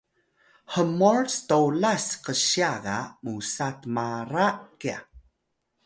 hmor stolas qsya ga musa tmara kya